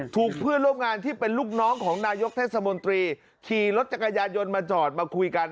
เพื่อนร่วมงานที่เป็นลูกน้องของนายกเทศมนตรีขี่รถจักรยานยนต์มาจอดมาคุยกัน